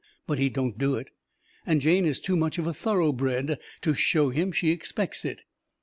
But he don't do it. And Jane is too much of a thoroughbred to show him she expects it.